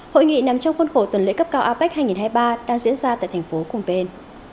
hội nghị nằm trong khuôn khổ tuần lễ cấp cao apec hai nghìn hai mươi ba đang diễn ra tại thành phố cùng tên